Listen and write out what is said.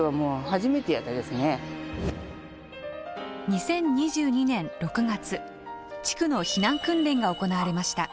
２０２２年６月地区の避難訓練が行われました。